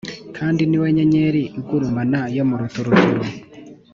kandi ni We Nyenyeri Igurumana yo mu Ruturuturu